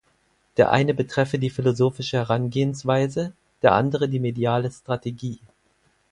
Der eine betreffe die philosophische Herangehensweise, der andere die mediale Strategie.